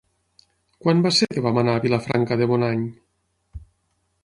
Quan va ser que vam anar a Vilafranca de Bonany?